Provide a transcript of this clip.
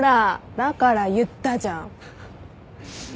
だから言ったじゃん。